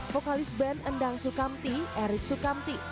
vokalis band endang sukamti erik sukamti